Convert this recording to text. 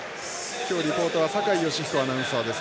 今日リポートは酒井良彦アナウンサーです。